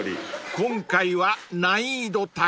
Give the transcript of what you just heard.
［今回は難易度高め］